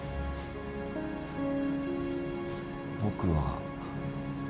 僕は。